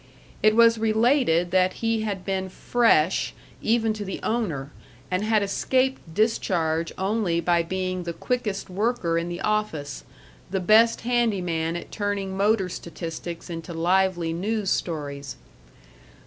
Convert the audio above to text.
It was related that he had been "fresh" even to the owner, and had escaped discharge only by being the quickest worker in the office, the best handy man at turning motor statistics into lively news stories.